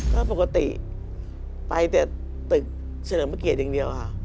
ก็ปกติไปแต่ตึกเฉลิมพระเกียรติอย่างเดียวค่ะ